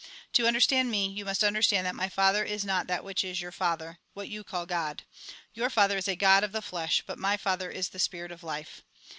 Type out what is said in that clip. To understand me, you must understand 192 THE GOSPEL IN BRIEF that my Father is not that which is your Father, what you call God. Your Father is a God of the flesh ; but my Father is the Spirit of life.